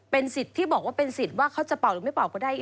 เป็นสิทธิ์ที่บอกว่าเป็นสิทธิ์ว่าเขาจะเป่าหรือไม่เป่าก็ได้